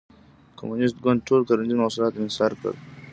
کمونېست ګوند ټول کرنیز محصولات انحصار کړل.